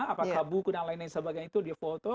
apakah buku dan lainnya dan sebagainya itu dia foto